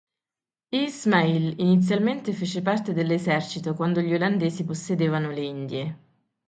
Ismail inizialmente fece parte dell'esercito quando gli olandesi possedevano le Indie.